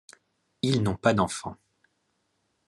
Ils n'ont pas d'enfant.